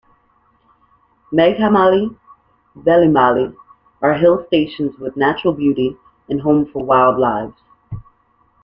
Meghamalai, Vellimalai are hill stations with natural beauty and home for wild lives.